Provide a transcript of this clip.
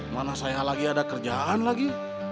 mana saya lagi ada kerjaan lagi